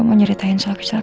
mau nyeritain soal kesalahan